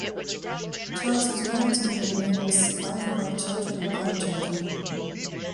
Charles was married to Leonie and was survived by children and grandchildren.